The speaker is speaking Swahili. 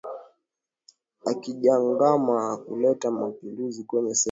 akijigamba kuleta mapinduzi kwenye sekta hiyo